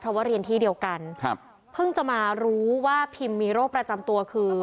เพราะว่าเรียนที่เดียวกันครับเพิ่งจะมารู้ว่าพิมมีโรคประจำตัวคือ